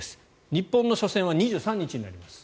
日本の初戦は２３日になります